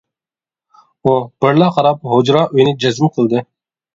ئۇ بىرلا قاراپ ھۇجرا ئۆينى جەزم قىلدى.